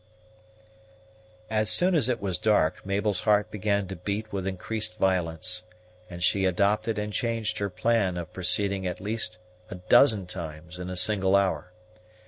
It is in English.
As soon as it was dark, Mabel's heart began to beat with increased violence; and she adopted and changed her plan of proceeding at least a dozen times in a single hour.